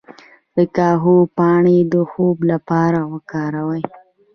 د کاهو پاڼې د خوب لپاره وکاروئ